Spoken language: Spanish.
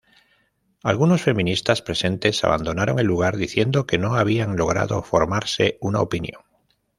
Algunos feministas presentes abandonaron el lugar diciendo que no habían logrado formarse una opinión.